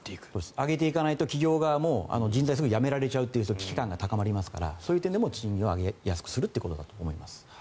上げていかないと企業側も人材にすぐ辞められてしまう危機感が高まりますからそういう意味でも賃金を上げやすくするという意味だと思います。